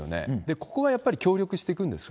ここはやっぱり協力していくんですか？